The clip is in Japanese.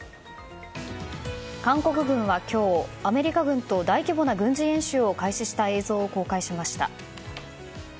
韓国軍は今日、アメリカ軍と大規模な軍事演習を開始した映像を公開しました。